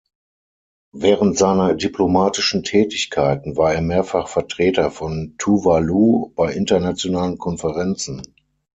Während seiner diplomatischen Tätigkeiten war er mehrfach Vertreter von Tuvalu bei internationalen Konferenzen.